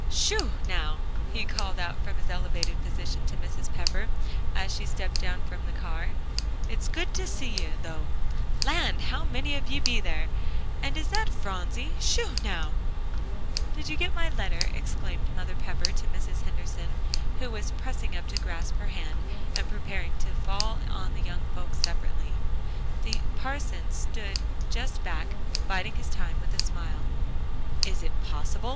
"Sho, now!" he called out from his elevated position to Mrs. Pepper, as she stepped down from the car, "it's good to see you, though. Land! how many of ye be there? And is that Phronsie? Sho, now!" "Did you get my letter?" exclaimed Mother Pepper to Mrs. Henderson, who was pressing up to grasp her hand, and preparing to fall on the young folks separately. The parson stood just back, biding his time with a smile. "Is it possible?"